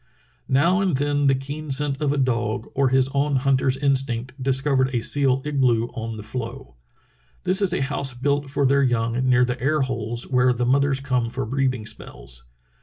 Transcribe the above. '* Now and then the keen scent of a dog or his own hunt er's instinct discovered a seal igloo on the floe. This is a house built for their young near the air holes where the mothers come for breathing spells.